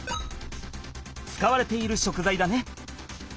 使われている食材だね。